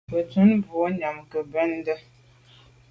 Benntùn boa nyàm nke mbùnte.